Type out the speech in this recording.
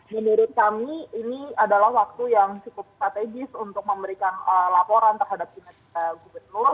menurut kami ini adalah waktu yang cukup strategis untuk memberikan laporan terhadap kinerja gubernur